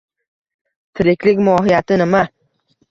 Tiriklik mohiyati nima?